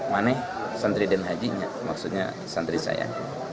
mana santri dan hajinya maksudnya santri saya